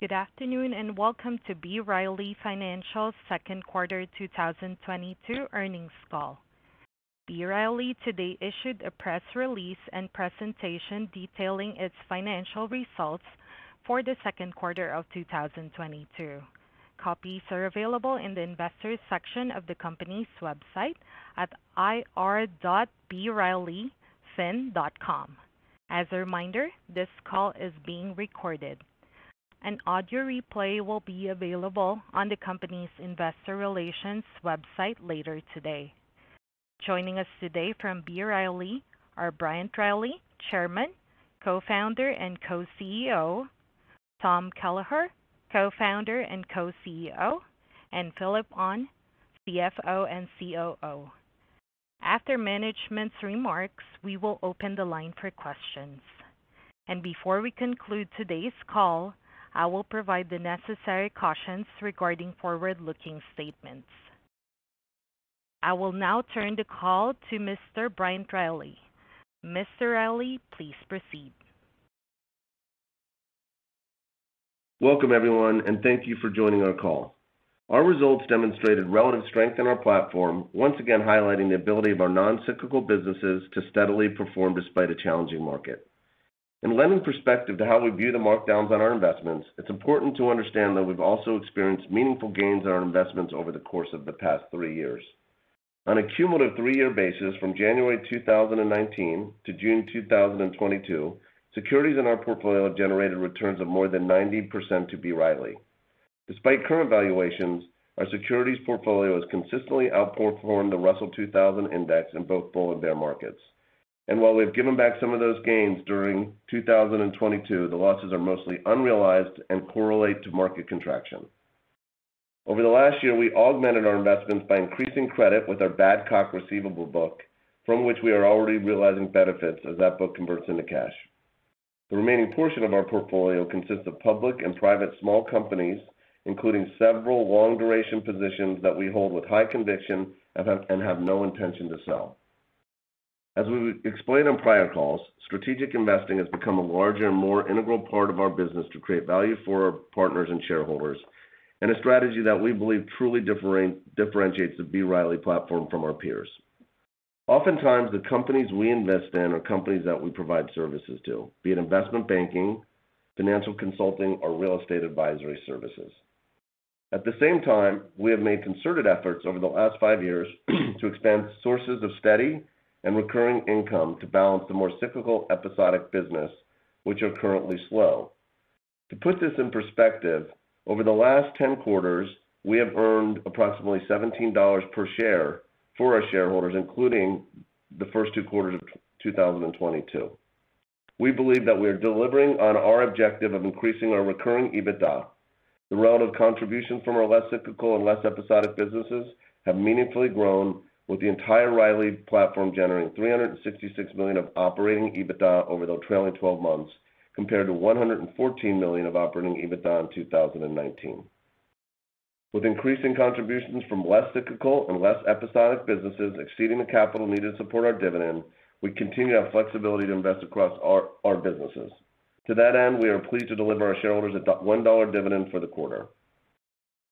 Good afternoon, and welcome to B. Riley Financial's 2Q 2022 Earnings Call. B. Riley today issued a press release and presentation detailing its financial results for the second quarter of 2022. Copies are available in the investors section of the company's website at ir.brileyfin.com. As a reminder, this call is being recorded. An audio replay will be available on the company's investor relations website later today. Joining us today from B. Riley are Bryant Riley, Chairman, Co-founder, and Co-CEO; Tom Kelleher, Co-founder and Co-CEO; and Phillip Ahn, CFO and COO. After management's remarks, we will open the line for questions. Before we conclude today's call, I will provide the necessary cautions regarding forward-looking statements. I will now turn the call to Mr. Bryant Riley. Mr. Riley, please proceed. Welcome, everyone, and thank you for joining our call. Our results demonstrated relative strength in our platform, once again highlighting the ability of our non-cyclical businesses to steadily perform despite a challenging market. In lending perspective to how we view the markdowns on our investments, it's important to understand that we've also experienced meaningful gains in our investments over the course of the past three years. On a cumulative three-year basis from January 2019 to June 2022, securities in our portfolio generated returns of more than 90% to B. Riley. Despite current valuations, our securities portfolio has consistently outperformed the Russell 2000 index in both bull and bear markets. While we've given back some of those gains during 2022, the losses are mostly unrealized and correlate to market contraction. Over the last year, we augmented our investments by increasing credit with our Badcock receivable book, from which we are already realizing benefits as that book converts into cash. The remaining portion of our portfolio consists of public and private small companies, including several long-duration positions that we hold with high conviction and have no intention to sell. As we explained on prior calls, strategic investing has become a larger and more integral part of our business to create value for our partners and shareholders, and a strategy that we believe truly differentiates the B. Riley platform from our peers. Oftentimes, the companies we invest in are companies that we provide services to, be it investment banking, financial consulting, or real estate advisory services. At the same time, we have made concerted efforts over the last five years to expand sources of steady and recurring income to balance the more cyclical episodic business, which are currently slow. To put this in perspective, over the last 10 quarters, we have earned approximately $17 per share for our shareholders, including the first two quarters of 2022. We believe that we are delivering on our objective of increasing our recurring EBITDA. The relative contribution from our less cyclical and less episodic businesses have meaningfully grown with the entire B. Riley platform generating $366 million of operating EBITDA over the trailing 12 months compared to $114 million of operating EBITDA in 2019. With increasing contributions from less cyclical and less episodic businesses exceeding the capital needed to support our dividend, we continue to have flexibility to across our businesses. To that end, we are pleased to our shareholders a $1 dividend for the quarter.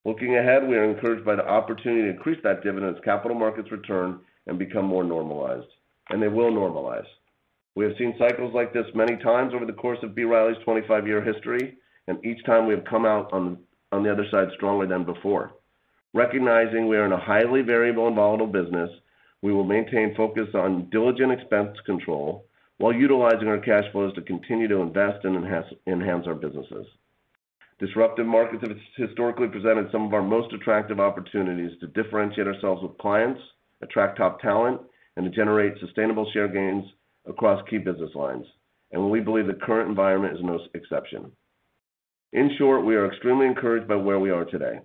Looking ahead, we are encouraged by the opportunity to increase that dividend as capital markets return and become more normalized, and they will normalize. We have seen cycles like this many times over the course of B. Riley's 25 year history, and each time we have come out on the other side stronger than before. Recognizing we are in a highly variable and volatile business, we will maintain focus on diligent expense control while utilizing our cash flows to continue to invest and enhance our businesses. Disruptive markets have historically presented some of our most attractive opportunities to differentiate ourselves with clients, attract top talent, and to generate sustainable share gains across key business lines. We believe the current environment is no exception. In short, we are extremely encouraged by where we are today.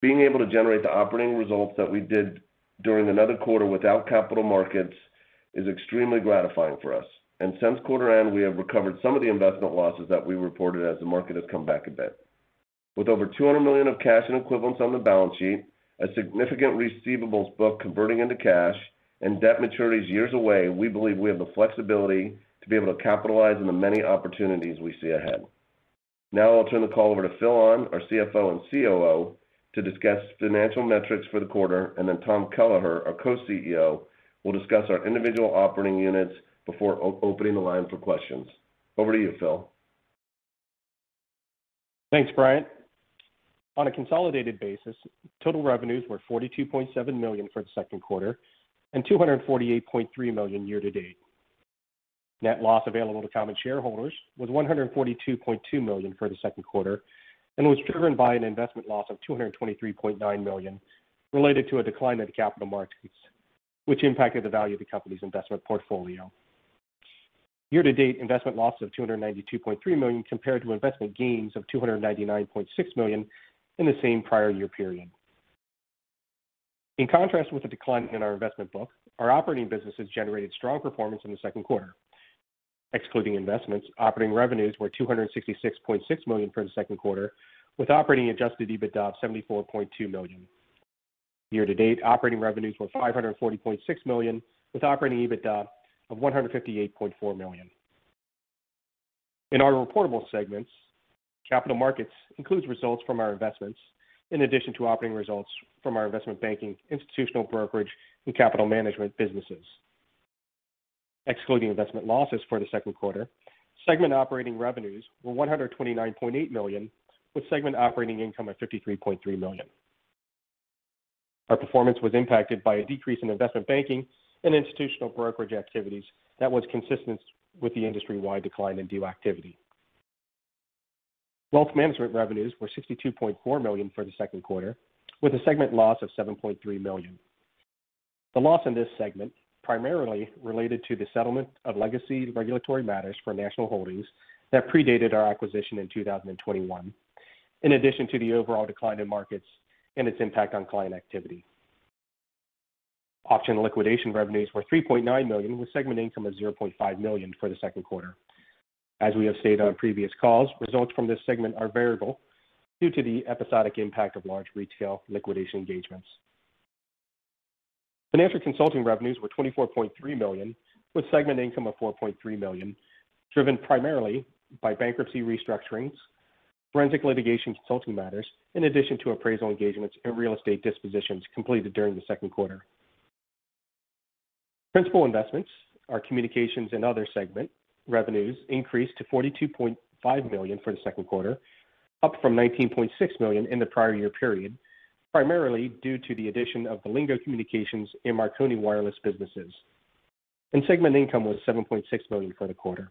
Being able to generate the operating results that we did during another quarter without capital markets is extremely gratifying for us. Since quarter end, we have recovered some of the investment losses that we reported as the market has come back a bit. With over $200 million of cash and equivalents on the balance sheet, a significant receivables book converting into cash and debt maturities years away, we believe we have the flexibility to be able to capitalize on the many opportunities we see ahead. Now I'll turn the call over to Phil Ahn, our CFO and COO, to discuss financial metrics for the quarter, and then Tom Kelleher, our Co-CEO, will discuss our individual operating units before opening the line for questions. Over to you, Phil. Thanks, Bryant. On a consolidated basis, total revenues were $42.7 million for the second quarter and $248.3 million year to date. Net loss available to common shareholders was $142.2 million for the second quarter and was driven by an investment loss of $223.9 million related to a decline in the capital markets, which impacted the value of the company's investment portfolio. Year to date investment loss of $292.3 million compared to investment gains of $299.6 million in the same prior year period. In contrast with the decline in our investment book, our operating businesses generated strong performance in the second quarter. Excluding investments, operating revenues were $266.6 million for the second quarter, with operating adjusted EBITDA of $74.2 million. Year-to-date operating revenues were $540.6 million, with operating EBITDA of $158.4 million. In our reportable segments, capital markets includes results from our investments in addition to operating results from our investment banking, institutional brokerage, and capital management businesses. Excluding investment losses for the second quarter, segment operating revenues were $129.8 million, with segment operating income of $53.3 million. Our performance was impacted by a decrease in investment banking and institutional brokerage activities that was consistent with the industry-wide decline in deal activity. Wealth management revenues were $62.4 million for the second quarter, with a segment loss of $7.3 million. The loss in this segment primarily related to the settlement of legacy regulatory matters for National Holdings Corporation that predated our acquisition in 2021, in addition to the overall decline in markets and its impact on client activity. Auction liquidation revenues were $3.9 million, with segment income of $0.5 million for the second quarter. As we have stated on previous calls, results from this segment are variable due to the episodic impact of large retail liquidation engagements. Financial consulting revenues were $24.3 million, with segment income of $4.3 million, driven primarily by bankruptcy restructurings, forensic litigation consulting matters, in addition to appraisal engagements and real estate dispositions completed during the second quarter. Principal investments, our communications and other segment revenues increased to $42.5 million for the second quarter, up from $19.6 million in the prior year period, primarily due to the addition of the Lingo Communications and Marconi Wireless businesses. Segment income was $7.6 million for the quarter.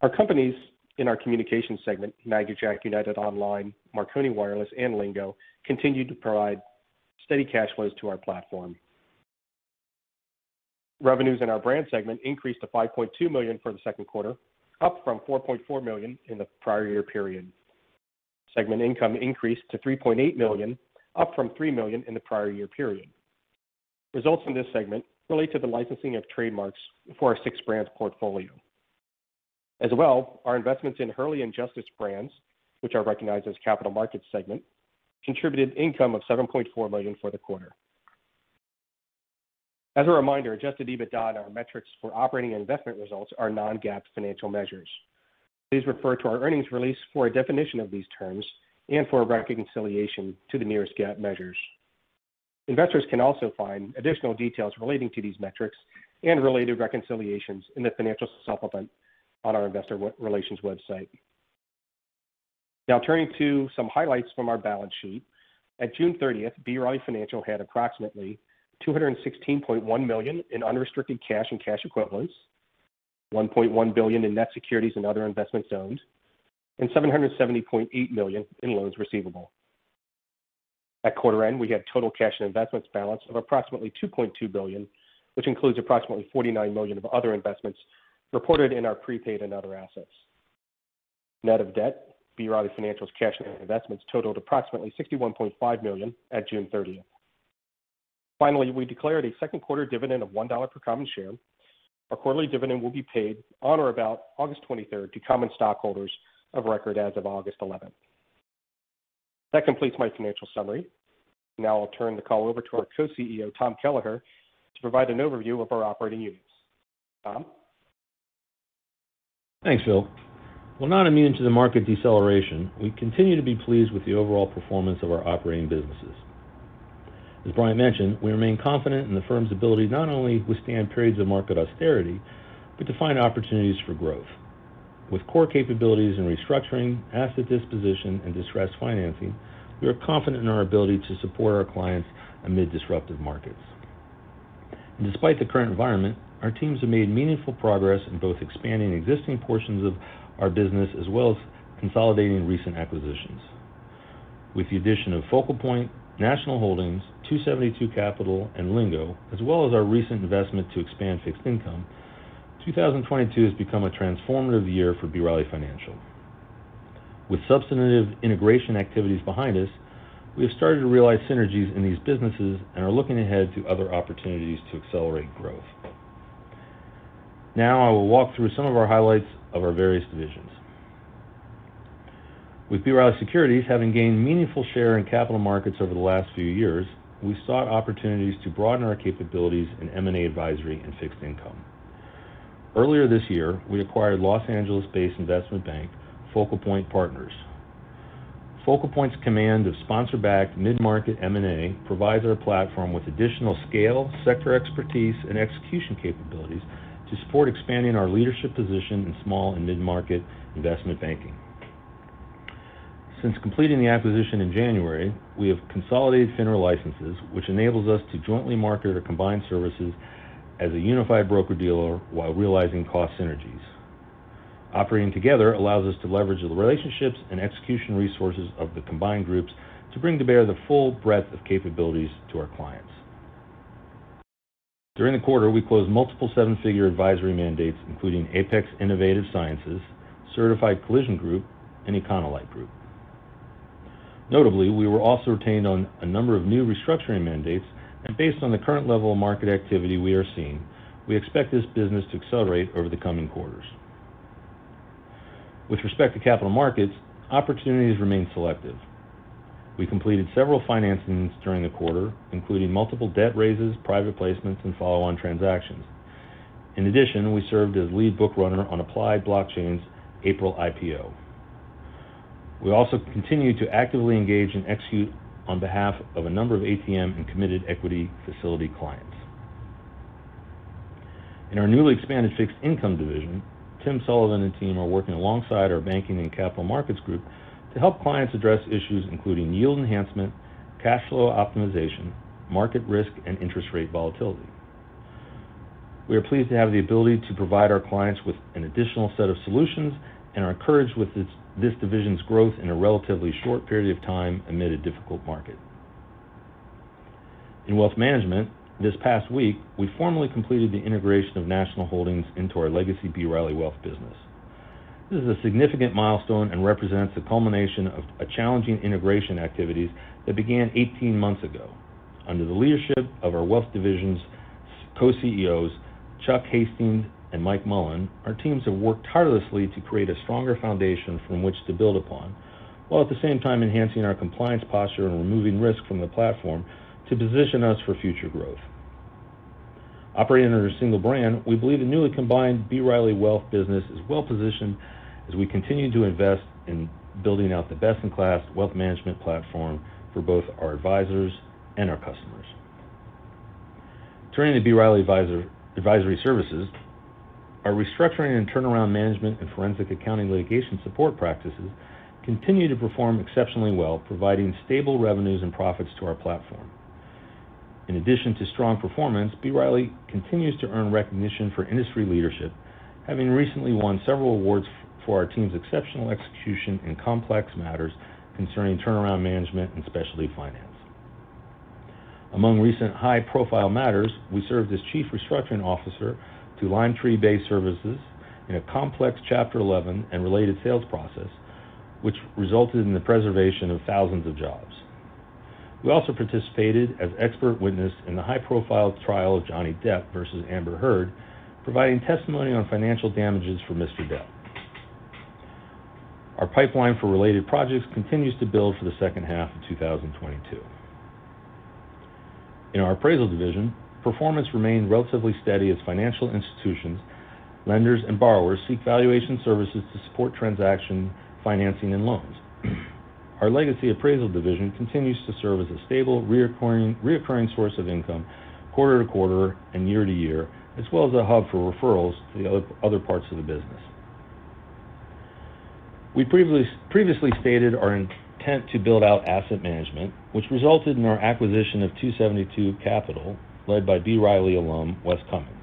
Our companies in our communication segment, magicJack, United Online, Marconi Wireless and Lingo, continue to provide steady cash flows to our platform. Revenues in our brand segment increased to $5.2 million for the second quarter, up from $4.4 million in the prior year period. Segment income increased to $3.8 million, up from $3 million in the prior year period. Results in this segment relate to the licensing of trademarks for our six brand portfolio. Our investments in Hurley and Justice brands, which are recognized as capital markets segment, contributed income of $7.4 million for the quarter. Adjusted EBITDA, our metrics for operating and investment results are non-GAAP financial measures. Please refer to our earnings release for a definition of these terms and for a reconciliation to the nearest GAAP measures. Investors can also find additional details relating to these metrics and related reconciliations in the financial supplement on our investor relations website. Turning to some highlights from our balance sheet. At June 30th, B. Riley Financial had approximately $216.1 million in unrestricted cash and cash equivalents, $1.1 billion in net securities and other investments owned, and $770.8 million in loans receivable. At quarter end, we had total cash and investments balance of approximately $2.2 billion, which includes approximately $49 million of other investments reported in our prepaid and other assets. Net of debt, B. Riley Financial's cash and investments totaled approximately $61.5 million at June thirtieth. Finally, we declared a second quarter dividend of $1 per common share. Our quarterly dividend will be paid on or about August twenty-third to common stockholders of record as of August eleventh. That completes my financial summary. Now I'll turn the call over to our Co-CEO, Tom Kelleher, to provide an overview of our operating units. Tom? Thanks, Phil. While not immune to the market deceleration, we continue to be pleased with the overall performance of our operating businesses. As Brian mentioned, we remain confident in the firm's ability not only to withstand periods of market austerity, but to find opportunities for growth. With core capabilities in restructuring, asset disposition, and distressed financing, we are confident in our ability to support our clients amid disruptive markets. Despite the current environment, our teams have made meaningful progress in both expanding existing portions of our business as well as consolidating recent acquisitions. With the addition of FocalPoint, National Holdings, 272 Capital, and Lingo, as well as our recent investment to expand fixed income, 2022 has become a transformative year for B. Riley Financial. With substantive integration activities behind us, we have started to realize synergies in these businesses and are looking ahead to other opportunities to accelerate growth. I will walk through some of our highlights of our various divisions. With B. Riley Securities having gained meaningful share in capital markets over the last few years, we sought opportunities to broaden our capabilities in M&A advisory and fixed income. Earlier this year, we acquired Los Angeles-based investment bank FocalPoint Partners. FocalPoint's command of sponsor-backed mid-market M&A provides our platform with additional scale, sector expertise, and execution capabilities to support expanding our leadership position in small and mid-market investment banking. Since completing the acquisition in January, we have consolidated FINRA licenses, which enables us to jointly market or combine services as a unified broker-dealer while realizing cost synergies. Operating together allows us to leverage the relationships and execution resources of the combined groups to bring to bear the full breadth of capabilities to our clients. During the quarter, we closed multiple seven-figure advisory mandates, including Apex Innovative Sciences, Certified Collision Group, and Econolite Group. Based on the current level of market activity we are seeing, we expect this business to accelerate over the coming quarters. With respect to capital markets, opportunities remain selective. We completed several financings during the quarter, including multiple debt raises, private placements, and follow-on transactions. In addition, we served as lead book runner on Applied Blockchain's April IPO. We also continue to actively engage and execute on behalf of a number of ATM and committed equity facility clients. In our newly expanded fixed income division, Tim Sullivan and team are working alongside our banking and capital markets group to help clients address issues including yield enhancement, cash flow optimization, market risk, and interest rate volatility. We are pleased to have the ability to provide our clients with an additional set of solutions, and are encouraged with this division's growth in a relatively short period of time amid a difficult market. In wealth management, this past week, we formally completed the integration of National Holdings into our legacy B. Riley Wealth business. This is a significant milestone and represents the culmination of a challenging integration activities that began 18 months ago. Under the leadership of our Wealth division's Co-CEOs, Chuck Hastings and Mike Mullen, our teams have worked tirelessly to create a stronger foundation from which to build upon, while at the same time enhancing our compliance posture and removing risk from the platform to position us for future growth. Operating under a single brand, we believe the newly combined B. Riley Wealth business is well-positioned as we continue to invest in building out the best-in-class wealth management platform for both our advisors and our customers. Turning to B. Riley Advisory Services, our restructuring and turnaround management and forensic accounting litigation support practices continue to perform exceptionally well, providing stable revenues and profits to our platform. In addition to strong performance, B. Riley continues to earn recognition for industry leadership, having recently won several awards for our team's exceptional execution in complex matters concerning turnaround management and specialty finance. Among recent high-profile matters, we served as chief restructuring officer to Limetree Bay Services in a complex Chapter 11 and related sales process, which resulted in the preservation of thousands of jobs. We also participated as expert witness in the high-profile trial of Johnny Depp versus Amber Heard, providing testimony on financial damages for Mr. Depp. Our pipeline for related projects continues to build for the second half of 2022. In our appraisal division, performance remained relatively steady as financial institutions, lenders, and borrowers seek valuation services to support transaction financing and loans. Our legacy appraisal division continues to serve as a stable reoccurring source of income quarter to quarter and year to year, as well as a hub for referrals to the other parts of the business. We previously stated our intent to build out asset management, which resulted in our acquisition of 272 Capital, led by B. Riley alum, Wes Cummings.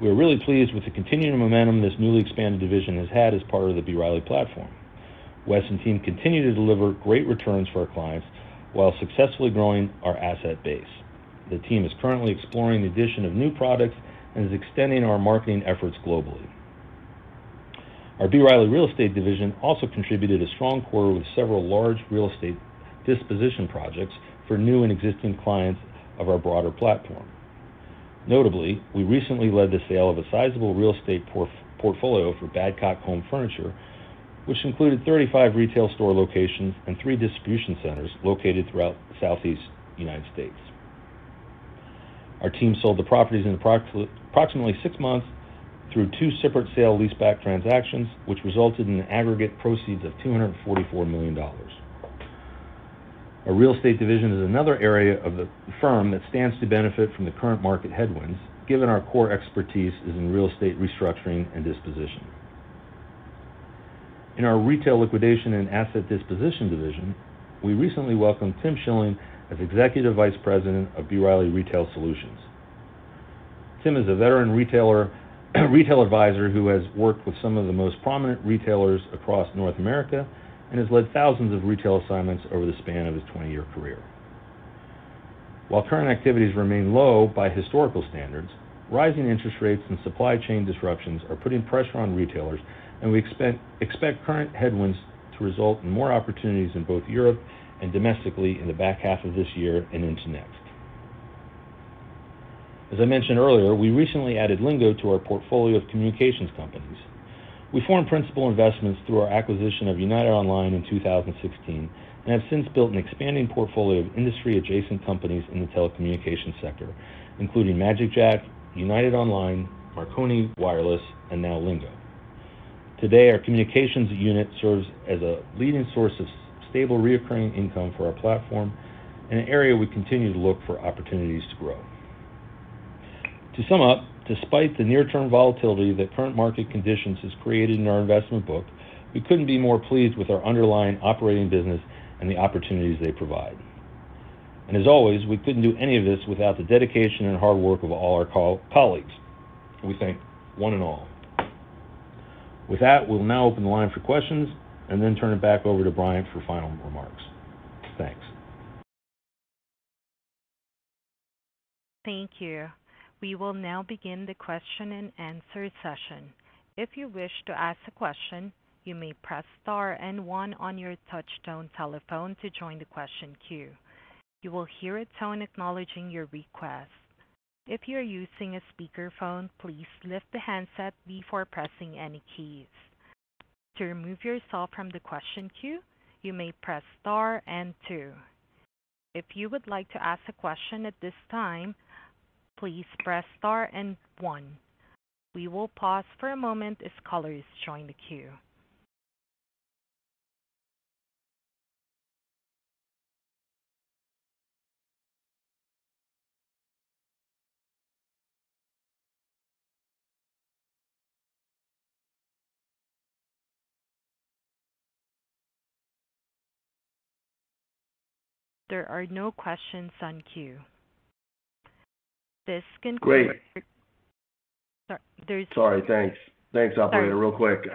We are really pleased with the continuing momentum this newly expanded division has had as part of the B. Riley platform. Wes and team continue to deliver great returns for our clients while successfully growing our asset base. The team is currently exploring the addition of new products and is extending our marketing efforts globally. Our B. Riley Real Estate division also contributed a strong quarter with several large real estate disposition projects for new and existing clients of our broader platform. Notably, we recently led the sale of a sizable real estate portfolio for Badcock Home Furniture, which included 35 retail store locations and 3 distribution centers located throughout the Southeast United States. Our team sold the properties in approximately six months through two separate sale leaseback transactions, which resulted in aggregate proceeds of $244 million. Our real estate division is another area of the firm that stands to benefit from the current market headwinds, given our core expertise is in real estate restructuring and disposition. In our retail liquidation and asset disposition division, we recently welcomed Tim Schilling as Executive Vice President of B. Riley Retail Solutions. Tim is a veteran retail advisor who has worked with some of the most prominent retailers across North America and has led thousands of retail assignments over the span of his 20-year career. While current activities remain low by historical standards, rising interest rates and supply chain disruptions are putting pressure on retailers, we expect current headwinds to result in more opportunities in both Europe and domestically in the back half of this year and into next. As I mentioned earlier, we recently added Lingo to our portfolio of communications companies. We formed principal investments through our acquisition of United Online in 2016, have since built an expanding portfolio of industry-adjacent companies in the telecommunications sector, including magicJack, United Online, Marconi Wireless, and now Lingo. Today, our communications unit serves as a leading source of stable, reoccurring income for our platform and an area we continue to look for opportunities to grow. To sum up, despite the near-term volatility that current market conditions has created in our investment book, we couldn't be more pleased with our underlying operating business and the opportunities they provide. As always, we couldn't do any of this without the dedication and hard work of all our colleagues. We thank one and all. With that, we'll now open the line for questions and then turn it back over to Brian for final remarks. Thanks. Thank you. We will now begin the question and answer session. If you wish to ask a question, you may press star and one on your touchtone telephone to join the question queue. You will hear a tone acknowledging your request. If you're using a speakerphone, please lift the handset before pressing any keys. To remove yourself from the question queue, you may press Star and two. If you would like to ask a question at this time, please press Star and one. We will pause for a moment if callers join the queue. There are no questions on queue. This concludes. Great. There is- Sorry. Thanks. Thanks, operator. Sorry. Real quick.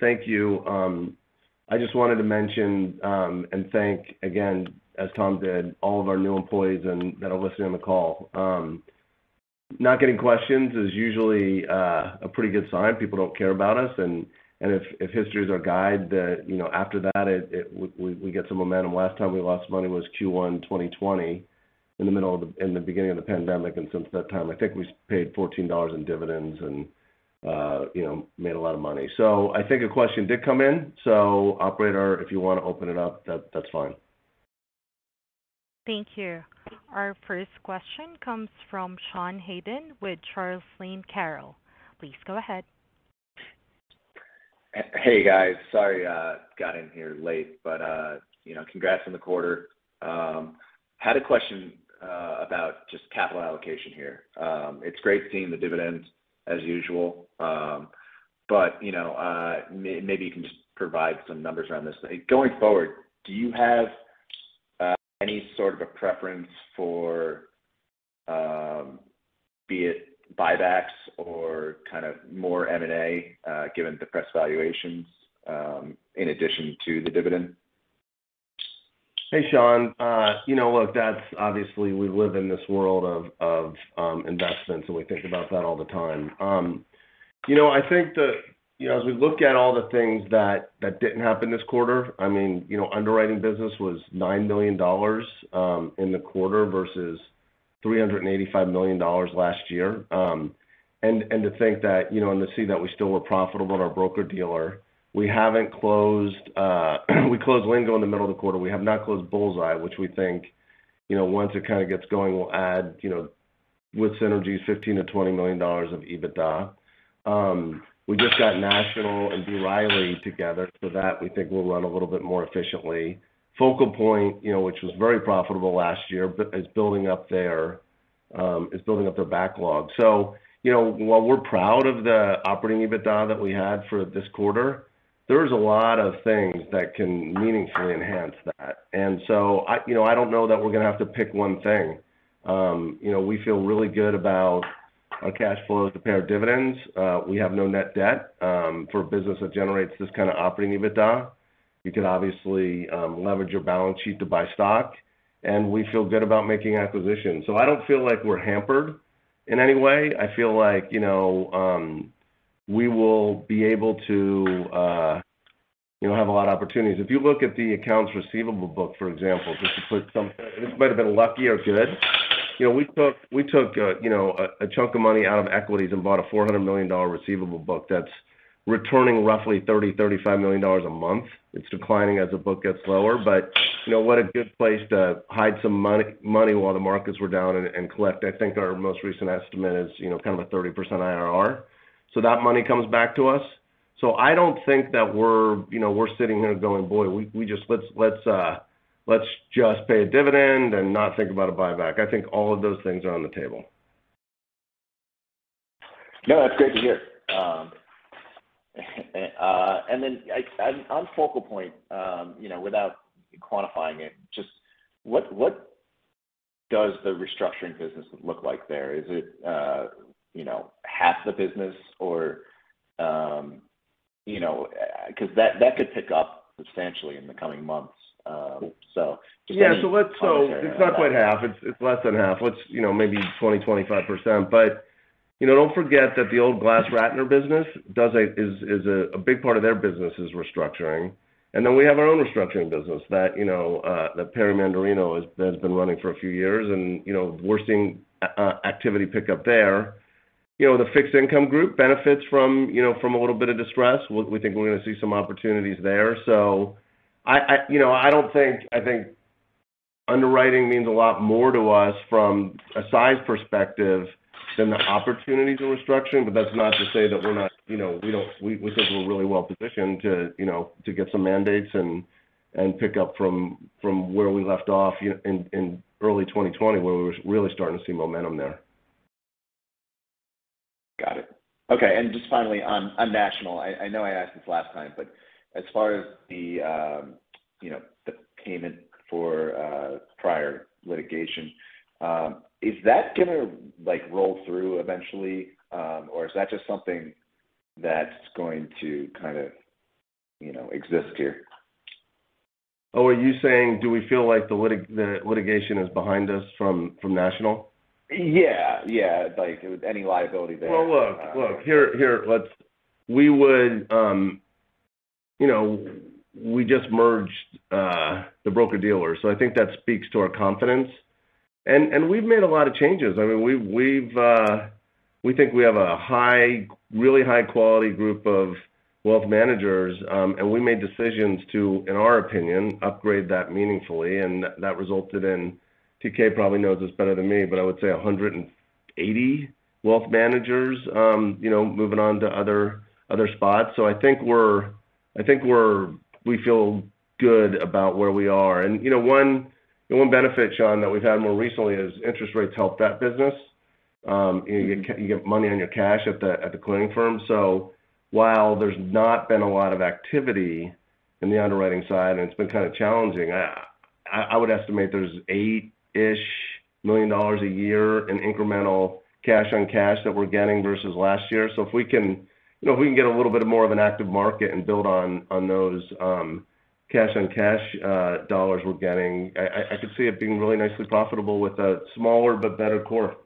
Thank you. I just wanted to mention, and thank again, as Tom did, all of our new employees and that are listening on the call. Not getting questions is usually a pretty good sign. People don't care about us, and if history is our guide that after that it, we get some momentum. Last time we lost money was Q1 2020 in the beginning of the pandemic. Since that time, I think we paid $14 in dividends and made a lot of money. I think a question did come in, operator, if you want to open it up, that's fine. Thank you. Our first question comes from Sean Haydon with Charles Lane Capital. Please go ahead. Hey, guys. Sorry I got in here late, but congrats on the quarter. Had a question about just capital allocation here. It's great seeing the dividends as usual, but maybe you can just provide some numbers around this. Going forward, do you have any sort of a preference for be it buybacks or kind of more M&A given the press valuations in addition to the dividend? Hey, Sean. You know, look, that's obviously we live in this world of investments, and we think about that all the time. You know, I think that as we look at all the things that didn't happen this quarter, I mean underwriting business was $9 million in the quarter versus $385 million last year. And to think that and to see that we still were profitable in our broker-dealer, we haven't closed, we closed Lingo in the middle of the quarter. We have not closed BullsEye, which we think once it kind of gets going, we'll add with synergy, $15 million-$20 million of EBITDA. We just got National and B. Riley together. That we think will run a little bit more efficiently. FocalPoint which was very profitable last year, is building up their backlog. You know, while we're proud of the operating EBITDA that we had for this quarter, there's a lot of things that can meaningfully enhance that. You know, I don't know that we're going to have to pick one thing. You know, we feel really good about our cash flows to pay our dividends. We have no net debt for a business that generates this kind of operating EBITDA. You could obviously leverage your balance sheet to buy stock, and we feel good about making acquisitions. I don't feel like we're hampered in any way. I feel like we will be able to have a lot of opportunities. If you look at the accounts receivable book, for example, just to put some. It might have been lucky or good. You know, we took a chunk of money out of equities and bought a $400 million receivable book that's returning roughly $30 million-$35 million a month. It's declining as the book gets lower, but what a good place to hide some money while the markets were down and collect. I think our most recent estimate is kind of a 30% IRR. That money comes back to us. I don't think that we're we're sitting here going, "Boy, we just let's just pay a dividend and not think about a buyback." I think all of those things are on the table. No, that's great to hear. On FocalPoint without quantifying it, just what does the restructuring business look like there? Is it half the business or 'cause that could pick up substantially in the coming months. Just any commentary on that. It's not quite half. It's less than half. Let's maybe 20%-25%. You know, don't forget that the old GlassRatner business is a big part of their business is restructuring. Then we have our own restructuring business that Perry Mandarino has been running for a few years and we're seeing activity pick up there. You know, the fixed income group benefits from a little bit of distress. We think we're going to see some opportunities there. I I don't think underwriting means a lot more to us from a size perspective than the opportunity to restructure. That's not to say that we're not we think we're really well positioned to to get some mandates and pick up from, where we left off in early 2020, where we were really starting to see momentum there. Got it. Okay. Just finally on National. I know I asked this last time, but as far as the the payment for prior litigation, is that gonna like roll through eventually? Or is that just something that's going to kind of exist here? Oh, are you saying, do we feel like the litigation is behind us from National? Yeah, yeah. Like if any liability there. You know, we just merged the broker-dealer. I think that speaks to our confidence. We've made a lot of changes. I mean, we think we have a high, really high quality group of wealth managers, and we made decisions to, in our opinion, upgrade that meaningfully, and that resulted in, TK probably knows this better than me, but I would say 180 wealth managers moving on to other spots. I think we feel good about where we are. You know, one, the one benefit, Sean, that we've had more recently is interest rates help that business. You get money on your cash at the clearing firm. While there's not been a lot of activity in the underwriting side, and it's been kind of challenging, I would estimate there's $8 million a year in incremental cash on cash that we're getting versus last year. If we can if we can get a little bit more of an active market and build on those, cash on cash, dollars we're getting, I could see it being really nicely profitable with a smaller but better core.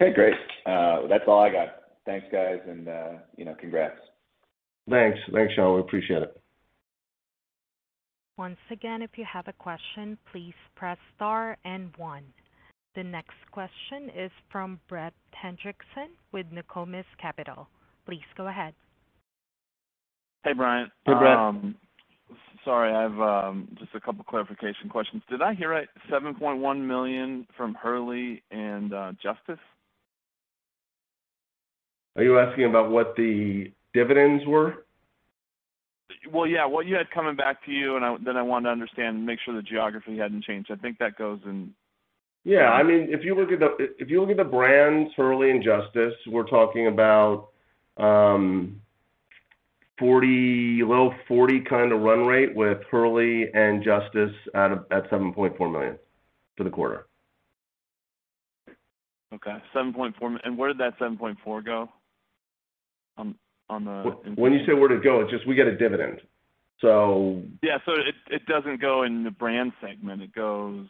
Okay, great. That's all I got. Thanks, guys, and congrats. Thanks. Thanks, Sean. We appreciate it. Once again, if you have a question, please press Star and One. The next question is from Brett Hendrickson with Nokomis Capital. Please go ahead. Hey, Brian. Hey, Brett. sorry, I have, just a couple clarification questions. Did I hear right, $7.1 million from Hurley and Justice? Are you asking about what the dividends were? Well, yeah. What you had coming back to you, I wanted to understand and make sure the geography hadn't changed. I think that goes. Yeah. I mean, if you look at the brands, Hurley and Justice, we're talking about $40 million, low $40 million kinda run rate with Hurley and Justice at $7.4 million for the quarter. Okay. Where did that $7.4 go on the? When you say where'd it go, just we get a dividend. So... Yeah. It doesn't go in the brand segment. It goes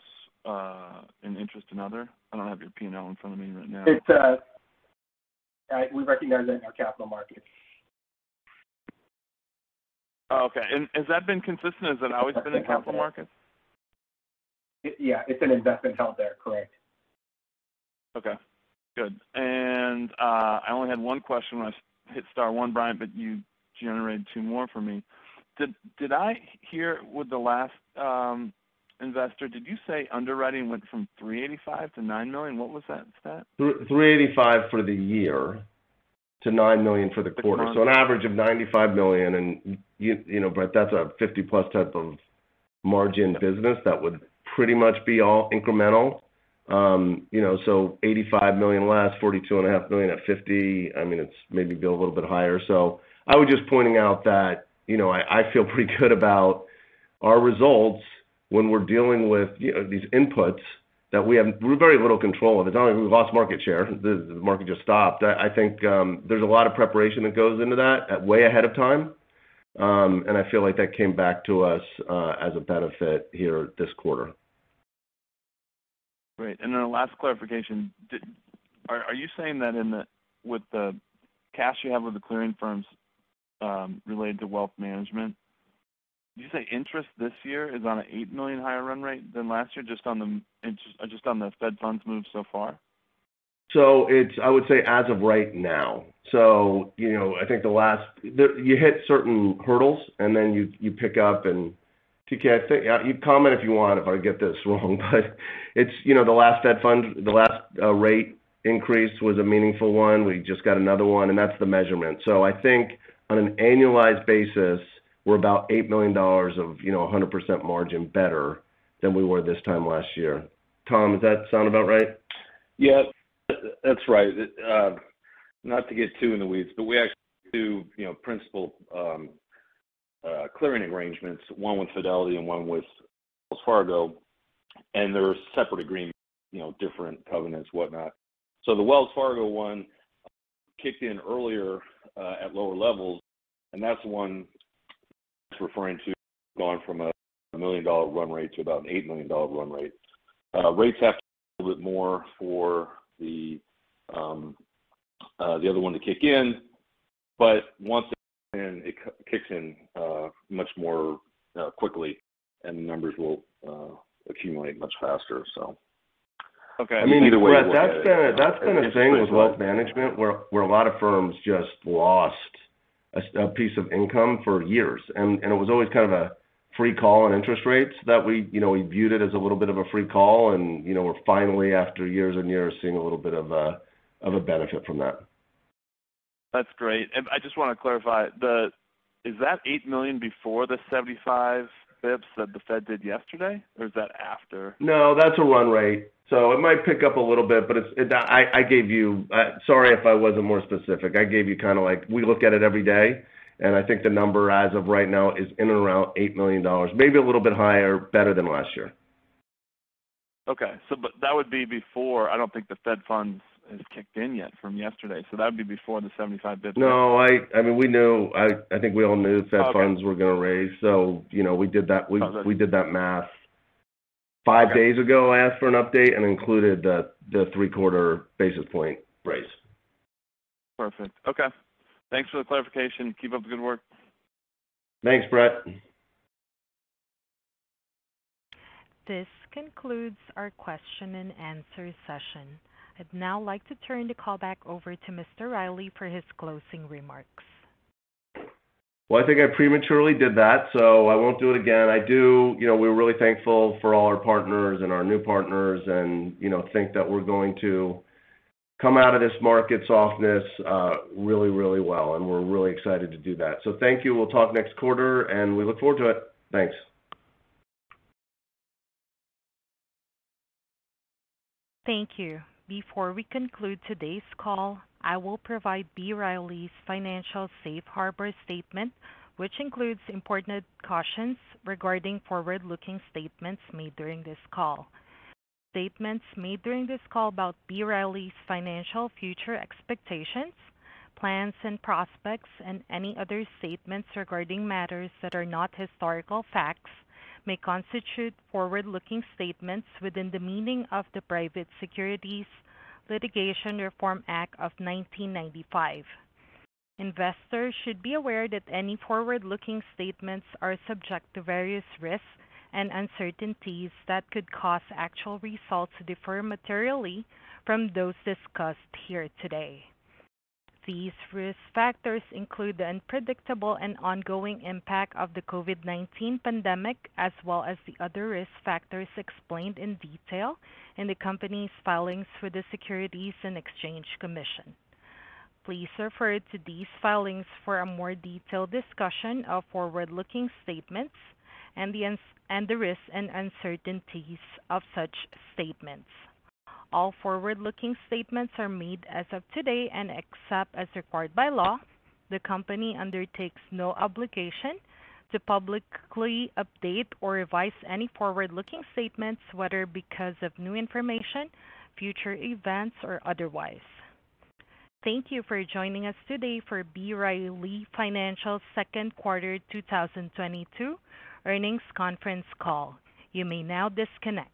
in interest and other. I don't have your P&L in front of me right now. We recognize it in our capital markets. Oh, okay. Has that been consistent? Has that always been in capital markets? Yeah. It's an investment held there, correct. Okay. Good. I only had one question when I hit star one, Brian, but you generated two more for me. Did I hear with the last investor, did you say underwriting went from $385 to $9 million? What was that stat? 385 for the year to $9 million for the quarter. An average of $95 million, and you know, Brett, that's a 50+ type of margin business. That would pretty much be all incremental. You know, $85 million last, $42.5 million at 50. I mean, it's maybe go a little bit higher. I was just pointing out that I feel pretty good about our results when we're dealing with these inputs that we have very little control over. It's not like we've lost market share. The market just stopped. I think there's a lot of preparation that goes into that way ahead of time, and I feel like that came back to us as a benefit here this quarter. Last clarification. Are you saying that with the cash you have with the clearing firms, related to wealth management, did you say interest this year is on an $8 million higher run rate than last year just on the Fed funds move so far? It's, I would say as of right now. You know, I think the last. You hit certain hurdles, and then you pick up and TK, I think, you comment if you want, if I get this wrong. It's the last Fed fund, the last rate increase was a meaningful one. We just got another one, and that's the measurement. I think on an annualized basis, we're about $8 million of 100% margin better than we were this time last year. Tom, does that sound about right? Yeah. That's right. Not to get too in the weeds, but we actually do principal, clearing arrangements, one with Fidelity and one with Wells Fargo, and they're separate agreements different covenants, whatnot. The Wells Fargo one kicked in earlier, at lower levels, and that's one referring to going from a $1 million run rate to about an $8 million run rate. Rates have to be a bit more for the other one to kick in, but once it's in, it kicks in much more quickly and the numbers will accumulate much faster, so. Okay. I mean, either way. That's been a thing with wealth management where a lot of firms just lost a piece of income for years. It was always kind of a free call on interest rates that we we viewed it as a little bit of a free call and we're finally after years and years seeing a little bit of a benefit from that. That's great. I just want to clarify. Is that $8 million before the 75 basis points that the Fed did yesterday, or is that after? That's a run rate. It might pick up a little bit, but I gave you. Sorry if I wasn't more specific. I gave you kind of like we look at it every day, I think the number as of right now is in and around $8 million, maybe a little bit higher, better than last year. Okay. That would be before. I don't think the Fed funds has kicked in yet from yesterday. That would be before the 75 business. No. I mean, we knew. I think we all knew Fed funds were gonna raise. You know, we did that math. Five days ago I asked for an update and included the three-quarter basis point raise. Perfect. Okay. Thanks for the clarification. Keep up the good work. Thanks, Brett. This concludes our question and answer session. I'd now like to turn the call back over to Mr. Roley for his closing remarks. I think I prematurely did that. I won't do it again. You know, we're really thankful for all our partners and our new partners and think that we're going to come out of this market softness, really, really well. We're really excited to do that. Thank you. We'll talk next quarter. We look forward to it. Thanks. Thank you. Before we conclude today's call, I will provide B. Riley's Financial Safe Harbor statement, which includes important cautions regarding forward-looking statements made during this call. Statements made during this call about B. Riley's Financial future expectations, plans and prospects, and any other statements regarding matters that are not historical facts may constitute forward-looking statements within the meaning of the Private Securities Litigation Reform Act of 1995. Investors should be aware that any forward-looking statements are subject to various risks and uncertainties that could cause actual results to differ materially from those discussed here today. These risk factors include the unpredictable and ongoing impact of the COVID-19 pandemic as well as the other risk factors explained in detail in the company's filings with the Securities and Exchange Commission. Please refer to these filings for a more detailed discussion of forward-looking statements and the risks and uncertainties of such statements. All forward-looking statements are made as of today. Except as required by law, the company undertakes no obligation to publicly update or revise any forward-looking statements, whether because of new information, future events, or otherwise. Thank you for joining us today for B. Riley Financial's second quarter 2022 earnings conference call. You may now disconnect.